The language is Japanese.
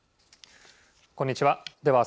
こんにちは。